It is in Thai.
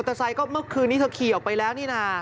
มอเตอร์ไซน์ก็เมื่อกี๊นี่เธอขี่ออกไปแล้วนี่นา